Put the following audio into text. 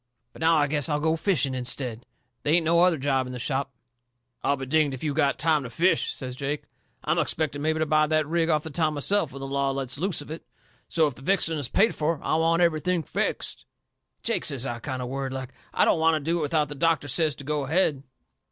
But now I guess I'll go fishing instead. They ain't no other job in the shop." "I'll be dinged if you've got time to fish," says Jake. "I'm expecting mebby to buy that rig off the town myself when the law lets loose of it. So if the fixing is paid fur, I want everything fixed." "Jake," says I, kind of worried like, "I don't want to do it without that doctor says to go ahead."